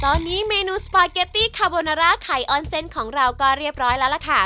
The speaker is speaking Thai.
ตอนนี้เมนูสปาเกตตี้คาโบนาร่าไข่ออนเซนต์ของเราก็เรียบร้อยแล้วล่ะค่ะ